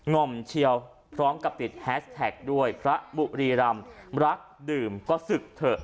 ง่อมเชียวพร้อมกับติดแฮสแท็กด้วยพระบุรีรำรักดื่มก็ศึกเถอะ